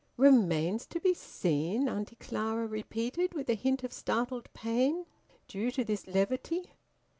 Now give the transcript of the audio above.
"Remains to be seen?" Auntie Clara repeated, with a hint of startled pain, due to this levity.